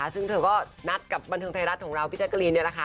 ซึ่งเธอก็นัดกับบันทึงไทยรัฐของเราพี่แจ๊คกรีนเนี่ยแหละค่ะ